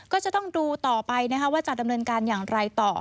ก็จะต้องดูต่อไปนะคะว่าจะดำเนินการอย่างไรต่อ